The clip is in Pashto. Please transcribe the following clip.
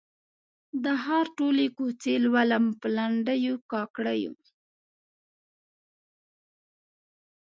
د ښار ټولي کوڅې لولم په لنډېو، کاکړیو